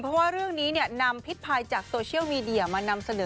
เพราะว่าเรื่องนี้นำพิษภัยจากโซเชียลมีเดียมานำเสนอ